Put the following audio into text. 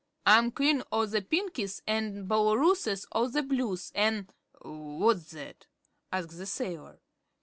I'm Queen o' the Pinkies an' Booloorooess o' the Blues, an " "What's that?" asked the sailor.